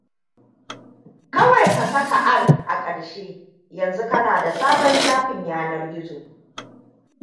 Kawai ka saka 'R' a ƙarshe. Yanzu kana da sabon shafin yanar gizo!